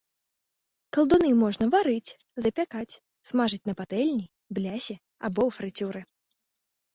Калдуны можна варыць, запякаць, смажыць на патэльні, блясе або ў фрыцюры.